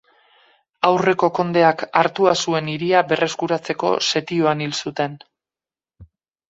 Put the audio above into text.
Aurreko kondeak hartua zuen hiria berreskuratzeko setioan hil zuten.